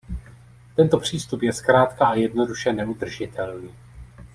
Tento přístup je zkrátka a jednoduše neudržitelný.